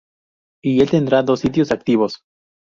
Y el tendrá dos sitios activos.